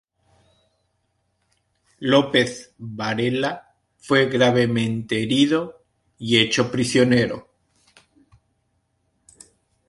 López Varela fue gravemente herido y fue hecho prisionero.